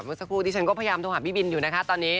เมื่อสักครู่ที่ฉันก็พยายามโทรหาพี่บินอยู่นะคะตอนนี้